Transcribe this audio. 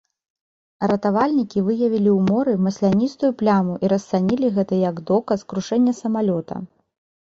Ратавальнікі выявілі ў моры масляністую пляму і расцанілі гэта як доказ крушэння самалёта.